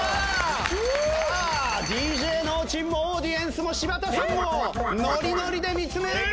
さあＤＪＮＯ＋ＣＨＩＮもオーディエンスも柴田さんもノリノリで見つめる。